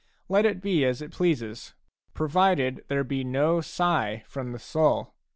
Let it be as it pleases, provided there be no sigh from the soul.